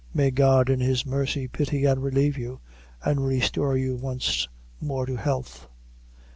May God, in his mercy, pity and relieve you and restore you wanst more to health!"